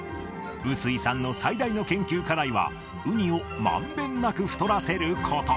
臼井さんの最大の研究課題は、ウニをまんべんなく太らせること。